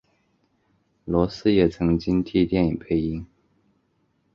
罗斯也曾经替电影配音。